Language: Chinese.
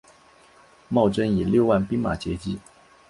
茂贞以六万兵马截击。